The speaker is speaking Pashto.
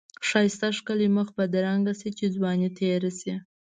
ښایسته ښکلی مخ بدرنګ شی چی ځوانی تیره شی.